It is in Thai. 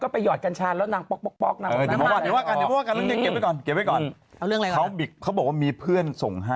พ่ออานนนเด่อเรอะ